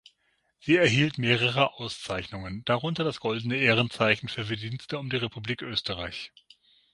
Sie erhielt mehrere Auszeichnungen, darunter das Goldene Ehrenzeichen für Verdienste um die Republik Österreich.